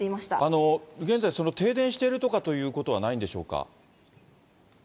現在、停電しているとかということはないんでしょうか？